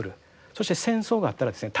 そして戦争があったらですね